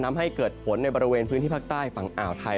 ทำให้เกิดฝนในบริเวณพื้นที่ภาคใต้ฝั่งอ่าวไทย